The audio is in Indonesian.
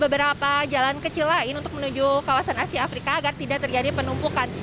beberapa jalan kecil lain untuk menuju kawasan asia afrika agar tidak terjadi penumpukan